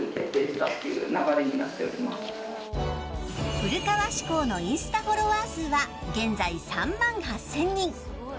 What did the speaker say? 古川紙工のインスタフォロワー数は現在３万８０００人。